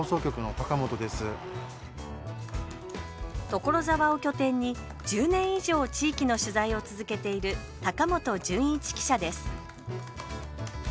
所沢を拠点に１０年以上地域の取材を続けている高本純一記者です